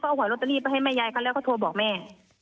เขาเอาหอยโรตเตอรี่ไปให้แม่ยายขึ้นแล้วเขาโทรบอกแม่